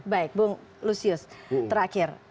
baik bung lusius terakhir